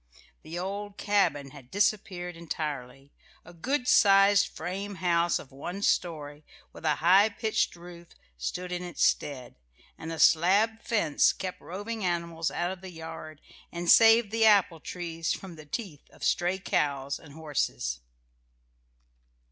The old cabin had disappeared entirely. A good sized frame house of one story, with a high pitched roof, stood in its stead, and a slab fence kept roving animals out of the yard and saved the apple trees from the teeth of stray cows and horses.